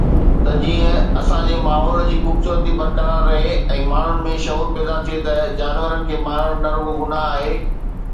ته جيئن اسان جي ماحول جي خوبصورتي برقرار رهي ۽ ماڻهن ۾ شعور پيدا ٿئي ته جانورن کي مارڻ نه رڳو گناهه آهي.